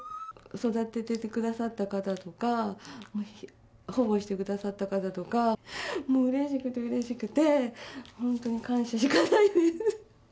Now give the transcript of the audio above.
育ててくださった方とか、保護してくださった方とか、もううれしくて、うれしくて、本当に感謝しかないです。